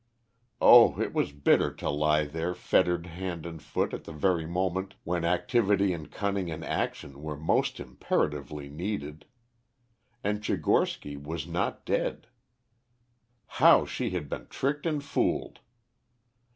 Oh, it was bitter to lie there fettered hand and foot at the very moment when activity and cunning and action were most imperatively needed. And Tchigorsky was not dead. How she had been tricked and fooled!